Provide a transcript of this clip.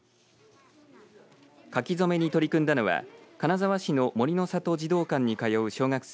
書き初めに取り組んだのは金沢市の杜の里児童館に通う小学生